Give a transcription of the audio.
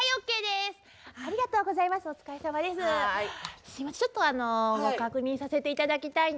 すいません